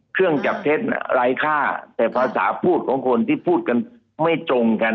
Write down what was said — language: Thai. เครื่องจับเท็จน่ะไร้ค่าแต่ภาษาพูดของคนที่พูดกันไม่ตรงกัน